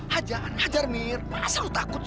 hajar mir masa lo takut sih